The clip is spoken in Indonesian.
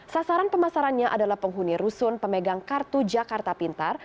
sasaran pemasarannya adalah penghuni rusun pemegang kartu jakarta pintar